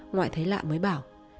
ngoại thấy lạ mới bảo